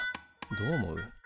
どう思う？